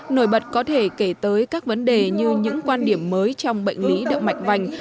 nổi bật có thể kể tới các vấn đề như những quan điểm mới trong bệnh lý động mạch vành